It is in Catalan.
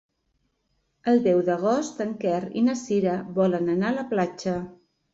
El deu d'agost en Quer i na Cira volen anar a la platja.